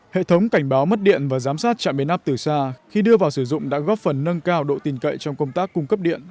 hệ thống cảnh báo mất điện và giám sát trạm biến áp từ xa khi đưa vào sử dụng đã góp phần nâng cao độ tình cậy trong công tác cung cấp điện